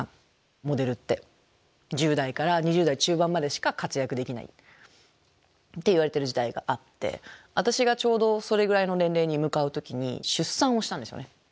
モデルって１０代から２０代中盤までしか活躍できないっていわれている時代があって私がちょうどそれぐらいの年齢に向かう時に出産をしたんですよね。